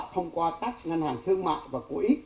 thông qua các ngân hàng thương mạng và quỹ